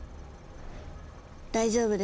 大丈夫です。